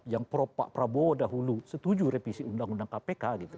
yang prabowo dahulu setuju revisi undang undang kpk gitu